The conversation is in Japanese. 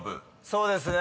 そうですね。